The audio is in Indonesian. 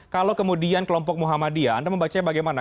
kalau kemudian kelompok muhammadiyah anda membacanya bagaimana